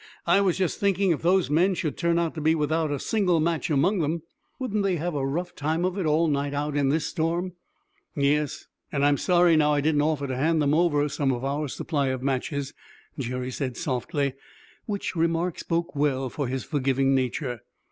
I was just thinking if those men should turn out to be without a single match among them, wouldn't they have a rough time of it all night out in this storm?" "Yes; and I'm sorry now I didn't offer to hand them over some of our supply of matches," Jerry said softly, which remark spoke well for his forgiving nature.